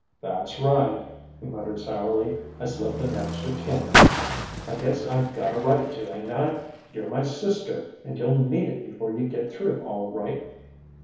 "That's right," he muttered sourly. "I slipped an extra ten in. I guess I gotta right to, ain't I? You're my sister, and you'll need it before you get through, all right."